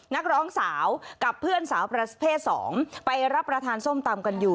นักร้องสาวกับเพื่อนสาวประเภทสองไปรับประทานส้มตำกันอยู่